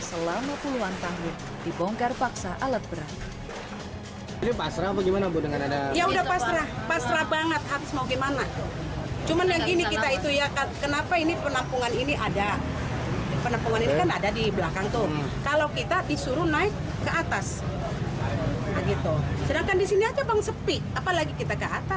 tempatinya selama puluhan tahun dibongkar paksa alat berat